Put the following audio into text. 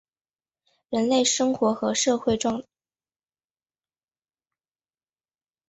人类生活和社会状况